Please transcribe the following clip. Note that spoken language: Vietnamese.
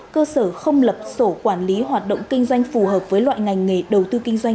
cơ sở không lập sổ quản lý hoạt động kinh doanh phù hợp với loại ngành nghề đầu tư kinh doanh